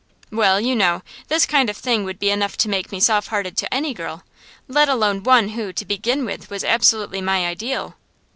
Well, you know, this kind of thing would be enough to make me soft hearted to any girl, let alone one who, to begin with, was absolutely my ideal.